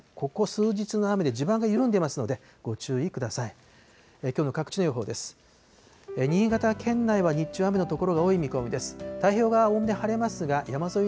ここ数日の雨で地盤が緩んでいますので、ご注意ください。